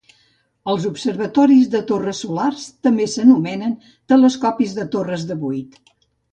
Els observatoris de torres solars també s'anomenen telescopis de torres de buit.